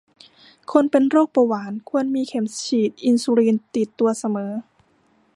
คนเป็นโรคเบาหวานควรมีเข็มฉีดอินซูลินติดตัวเสมอ